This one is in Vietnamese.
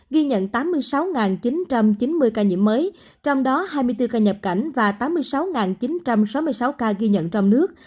ghi nhận tám mươi sáu chín trăm chín mươi ca nhiễm mới trong đó hai mươi bốn ca nhập cảnh và tám mươi sáu chín trăm sáu mươi sáu ca ghi nhận trong nước